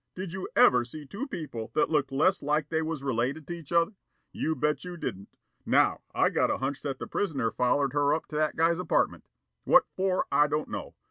Did you ever see two people that looked less like they was related to each other? You bet you didn't. Now I got a hunch that the prisoner follered her to that guy's apartment. What for, I don't know.